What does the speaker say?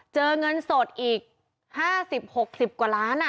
เงินสดอีก๕๐๖๐กว่าล้าน